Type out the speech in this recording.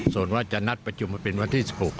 ส่วนว่าจะนัดประชุมมาเป็นวันที่๑๖